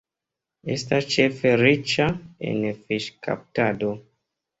Estas ĉefe riĉa en fiŝkaptado.